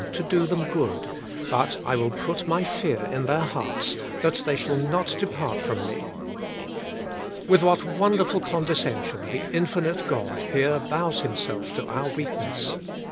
to do them good ; but I will put my fear in their hearts, that fhey shall not depart from me,'* With what wonderful condescension the infinite God here bows Himself to our weakness!